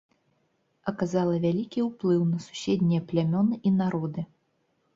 Аказала вялікі ўплыў на суседнія плямёны і народы.